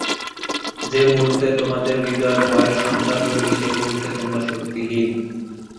যে-মুহূর্তে তোমাদের হৃদয়ে ভয়ের সঞ্চার হইবে, সেই মুহূর্তেই তোমরা শক্তিহীন।